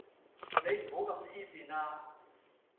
你唔好咁痴線啦